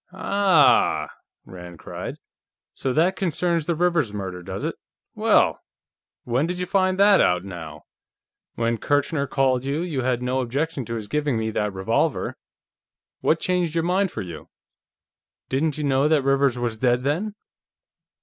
"Aah!" Rand cried. "So that concerns the Rivers murder, does it? Well! When did you find that out, now? When Kirchner called you, you had no objection to his giving me that revolver. What changed your mind for you? Didn't you know that Rivers was dead, then?"